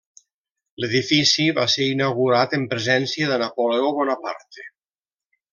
L'edifici va ser inaugurat en presència de Napoleó Bonaparte.